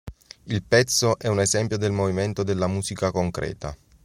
Il pezzo è un esempio del movimento della musica concreta.